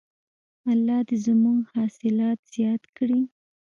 الله دې زموږ حاصلات زیات کړي.